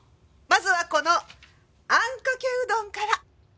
まずはこのあんかけうどんから！